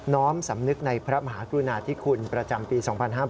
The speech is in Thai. ้อมสำนึกในพระมหากรุณาธิคุณประจำปี๒๕๕๙